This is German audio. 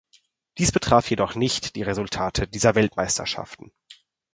Dies betraf jedoch nicht die Resultate dieser Weltmeisterschaften.